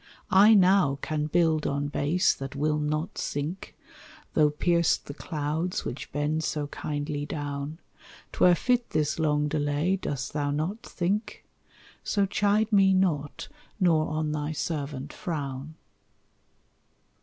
"I now can build on base that will not sink, Though pierced the clouds which bend so kindly down, 'Twere fit this long delay, dost thou not think? So chide me not nor on thy servant frown."